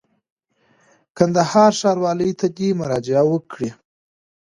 کندهار ښاروالۍ ته دي مراجعه وکړي.